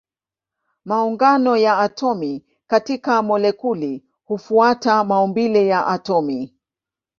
Maungano ya atomi katika molekuli hufuata maumbile ya atomi.